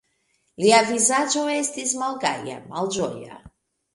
Lia vizaĝo estis malgaja, malĝoja.